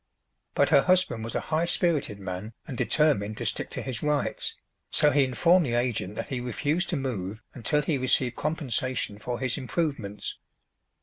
But her husband was a high spirited man and determined to stick to his rights, so he informed the agent that he refused to move until he received compensation for his improvements.